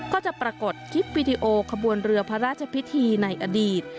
ก็จะปรากฏคลิปวิดีโอขบวนเรือพระราชพิธีในอดีต